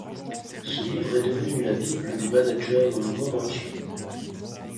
Ce livre est devenu la bible des managers dans le monde entier.